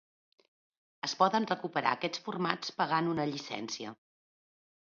Es poden recuperar aquests formats pagant una llicència.